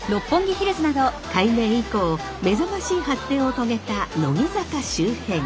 改名以降目覚ましい発展を遂げた乃木坂周辺。